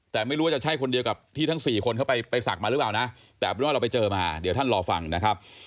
แต่ไม่รู้ว่าจะใช่คนเดียวกับที่ทั้ง๔คนเข้าไปศักดิ์มาหรือเปล่านะแต่เอาเป็นว่าเราไปเจอมาเดี๋ยวท่านรอฟังนะครับ